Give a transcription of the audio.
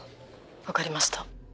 分かりました。